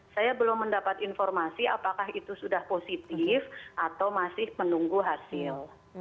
saya belum mendapat informasi apakah itu sudah positif atau masih menunggu hasil